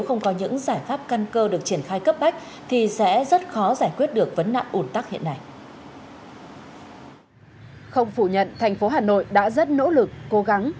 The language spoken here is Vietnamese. không phủ nhận thành phố hà nội đã rất nỗ lực cố gắng